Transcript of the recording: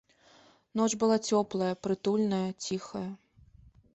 Ноч была цёплая, прытульная, ціхая.